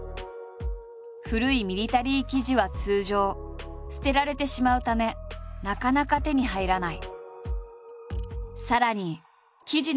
古いミリタリー生地は通常捨てられてしまうためなかなか手に入らない。